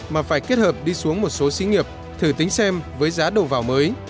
mà phải kết hợp đi xuống một số xí nghiệp thử tính xem với giá đầu vào mới